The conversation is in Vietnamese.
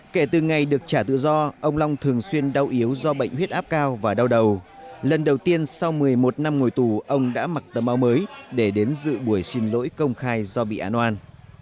kể từ ngày được trả tự do ông long thường xuyên đau yếu do bệnh huyết áp cao và đau đầu lần đầu tiên sau một mươi một năm ngồi tù ông đã mặc tấm áo mới để đến dự buổi xin lỗi công khai do bị án oan